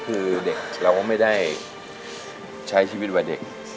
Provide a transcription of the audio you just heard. คือเด็กเราก็ไม่ได้ใช้ชีวิตกว่าเด็ก